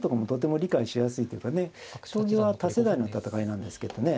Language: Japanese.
将棋は多世代の戦いなんですけどね